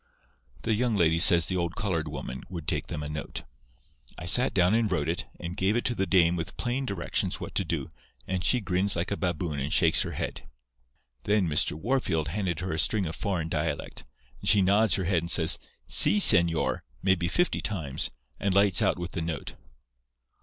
"The young lady says the old coloured woman would take them a note. I sat down and wrote it, and gave it to the dame with plain directions what to do, and she grins like a baboon and shakes her head. "Then Mr. Wahrfield handed her a string of foreign dialect, and she nods her head and says, 'See, señor,' maybe fifty times, and lights out with the note.